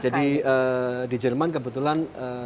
jadi di jerman kebetulan